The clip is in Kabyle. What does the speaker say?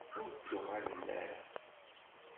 Ur d-ttuɣalen ara.